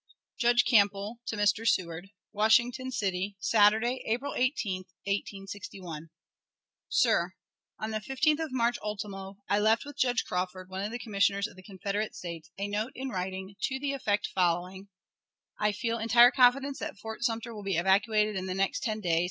Judge Campbell to Mr. Seward. Washington City, Saturday, April 18, 1861. Sir: On the 15th of March, ultimo, I left with Judge Crawford, one of the commissioners of the Confederate States, a note in writing, to the effect following: "I feel entire confidence that Fort Sumter will be evacuated in the next ten days.